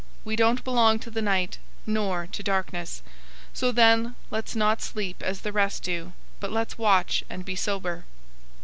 We don't belong to the night, nor to darkness, 005:006 so then let's not sleep, as the rest do, but let's watch and be sober.